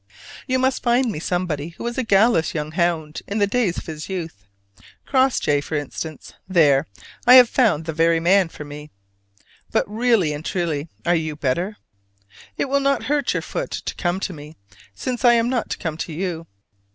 You must find me somebody who was a "gallous young hound" in the days of his youth Crossjay, for instance: there! I have found the very man for me! But really and truly, are you better? It will not hurt your foot to come to me, since I am not to come to you?